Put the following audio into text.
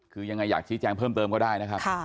คือยังไงอยากชี้แจงเพิ่มเติมก็ได้นะครับ